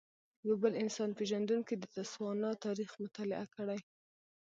یو بل انسان پېژندونکی د تسوانا تاریخ مطالعه کړی.